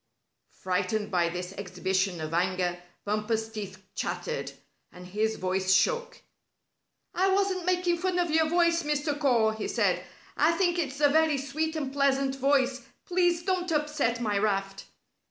Frightened by this exhibition of anger, Bumper's teeth chattered, and his voice shook. "I wasn't making fun of your voice, Mr. Caw," he said. "I think it's a very sweet and pleasant voice. Please don't upset my raft."